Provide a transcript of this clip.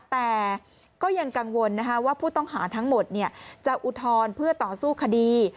แต่ก็ยังกังวลว่าผู้ต้องหาทั้งหมดจะอุทธรณ์เพื่อต่อสู้คดี